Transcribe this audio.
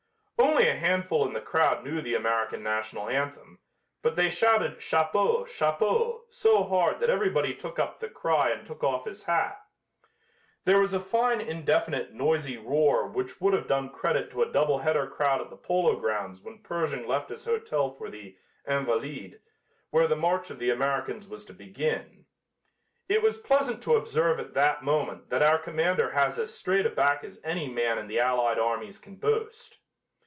Only a handful in the crowd knew the American National anthem, but they shouted "Chapeau, chapeau" so hard that everybody took up the cry and took off his hat. There was a fine indefinite noisy roar which would have done credit to a double header crowd at the Polo Grounds when Pershing left his hotel for the "Invalides," where the march of the Americans was to begin. It was pleasant to observe at that moment that our commander has as straight a back as any man in the allied armies can boast.